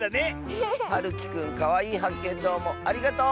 はるきくんかわいいはっけんどうもありがとう！